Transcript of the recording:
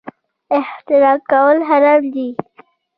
احتکار کول حرام دي